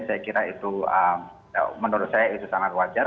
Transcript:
dan saya kira itu menurut saya sangat wajar